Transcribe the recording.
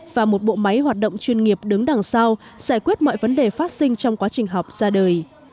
và một bộ máy hoạt động chuyên nghiệp đứng đằng sau giải quyết mọi vấn đề phát sinh trong quá trình học ra đời